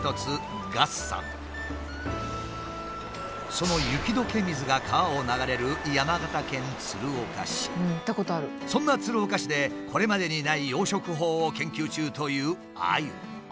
その雪どけ水が川を流れるそんな鶴岡市でこれまでにない養殖法を研究中というアユ。